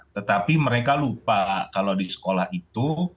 tetapi mereka lupa kalau di sekolah itu